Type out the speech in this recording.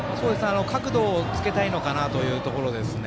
角度をつけたいのかなというところですね。